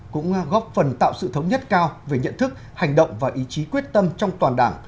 cũng góp phần tạo sự thống nhất cao về nhận thức hành động và ý chí quyết tâm trong toàn đảng